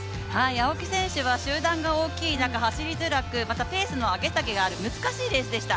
青木選手は集団が大きい中、走りづらくまたペースの上げ下げがある難しいレースでした。